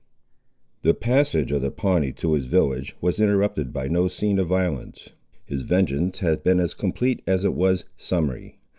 The passage of the Pawnee to his village was interrupted by no scene of violence. His vengeance had been as complete as it was summary.